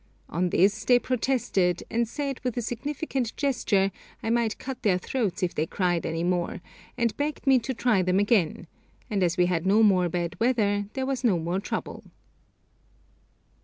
On this they protested, and said, with a significant gesture, I might cut their throats if they cried any more, and begged me to try them again; and as we had no more bad weather, there was no more trouble.